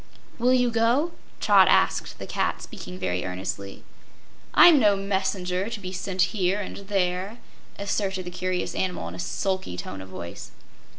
"Will you go?" Trot asked the cat, speaking very earnestly. "I'm no messenger, to be sent here and there," asserted the curious animal in a sulky tone of voice.